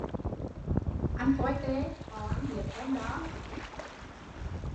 Anh coi tề, họ ăn hiếp em